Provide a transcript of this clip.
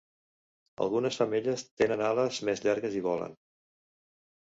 Algunes femelles tenen ales més llargues i volen.